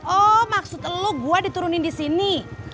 oh maksud lo gue diturunin disini